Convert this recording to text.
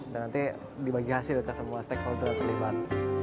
dan nanti dibagi hasil ke semua stakeholder terlibat